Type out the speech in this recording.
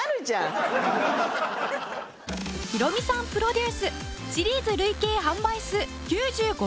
ヒロミさんプロデュースシリーズ累計販売数９５万枚を突破！